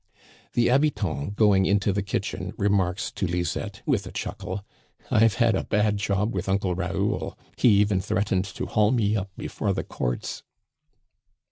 The habitant^ going into the kitchen, remarks to Lisette with a chuckle :" I've had a bad job with Uncle Raoul ; he even threatened to haul me up before the courts."